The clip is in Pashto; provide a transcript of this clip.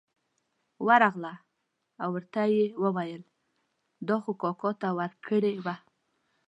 ورغله او ورته یې وویل دا خو کاکا ته ورکړې وه.